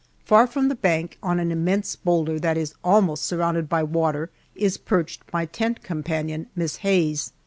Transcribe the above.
Far from the bank on an immense boulder that is almost surrounded by water is perched my tent companion, Miss Hayes.